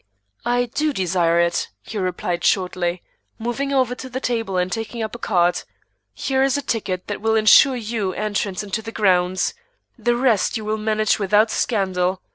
"I do desire it," he replied shortly, moving over to the table and taking up a card. "Here is a ticket that will insure you entrance into the grounds; the rest you will manage without scandal.